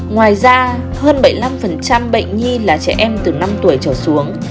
ngoài ra hơn bảy mươi năm bệnh nhi là trẻ em từ năm tuổi trở xuống